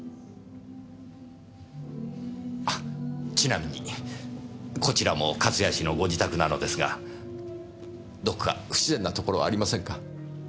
あちなみにこちらも勝谷氏のご自宅なのですがどこか不自然なところはありませんか？